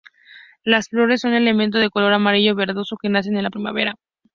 Las flores son amentos de color amarillo verdoso, que nacen en la primavera.